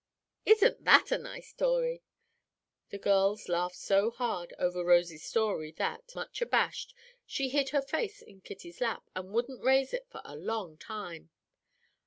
Isn't that a nice 'tory?" The girls laughed so hard over Rosy's story that, much abashed, she hid her face in Kitty's lap, and wouldn't raise it for a long time.